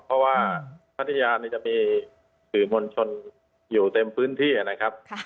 เพราะว่าพัทยานี่จะมีสื่อมวลชนอยู่เต็มพื้นที่นะครับ